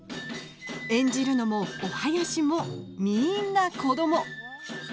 演じるのもお囃子もみんな子ども。